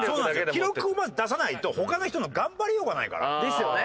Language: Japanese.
記録をまず出さないと他の人が頑張りようがないから。